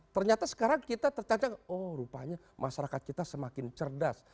ternyata sekarang kita tercatat oh rupanya masyarakat kita semakin cerdas